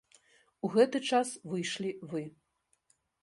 У гэты час выйшлі вы.